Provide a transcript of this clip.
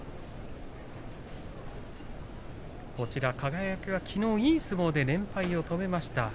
輝は、きのういい相撲で連敗を止めました。